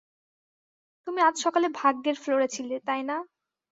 তুমি আজ সকালে ভাগ্যের ফ্লোরে ছিলে, তাই না?